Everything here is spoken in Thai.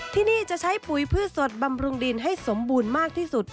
ที่นี่จะใช้ปุ๋ยพืชสดบำรุงดินให้สมบูรณ์มากที่สุด